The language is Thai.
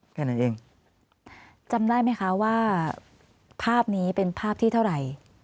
แค่นั้นเองจำได้ไหมคะว่าภาพนี้เป็นภาพที่เท่าไหร่